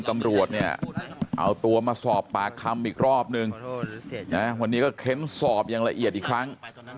ตำรวจเนี่ยเอาตัวมาสอบปากคำอีกรอบนึงนะวันนี้ก็เค้นสอบอย่างละเอียดอีกครั้ง